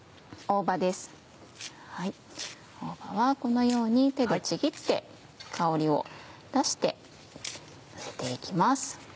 大葉はこのように手でちぎって香りを出してのせて行きます。